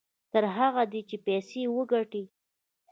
نر هغه دى چې پيسې وگټي.